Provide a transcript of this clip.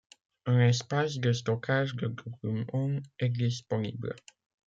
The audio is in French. Un espace de stockage de documents est disponible.